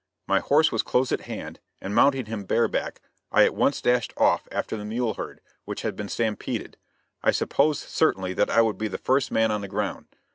My horse was close at hand, and, mounting him bare back, I at once dashed off after the mule herd, which had been stampeded. I supposed certainly that I would be the first man on the ground.